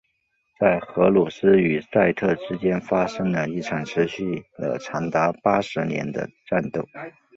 在荷鲁斯与赛特之间发生了一场持续了长达八十年的战斗。